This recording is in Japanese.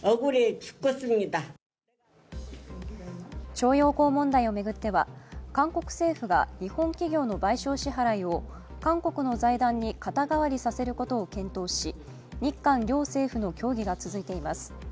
徴用工問題を巡っては韓国政府が日本企業の賠償支払いを韓国の財団に肩代わりさせることを検討し、日韓両政府の協議が続いています。